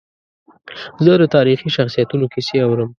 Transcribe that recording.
زه د تاریخي شخصیتونو کیسې اورم.